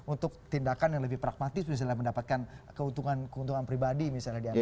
untuk tindakan yang lebih pragmatis misalnya mendapatkan keuntungan pribadi misalnya di amerika